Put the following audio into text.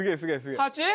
８！？